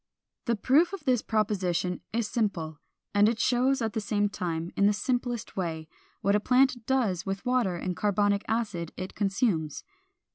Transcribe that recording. The proof of this proposition is simple; and it shows at the same time, in the simplest way, what a plant does with the water and carbonic acid it consumes.